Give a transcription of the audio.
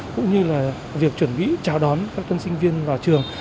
cũng như là việc chuẩn bị chào đón các tân sinh viên vào trường